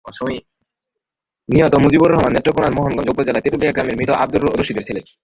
নিহত মজিবুর রহমান নেত্রকোনার মোহনগঞ্জ উপজেলার তেঁতুলিয়া গ্রামের মৃত আবদুর রশিদের ছেলে।